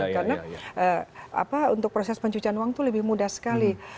karena untuk proses pencucian uang itu lebih mudah sekali